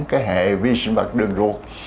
cái hệ vi sinh vật đường ruột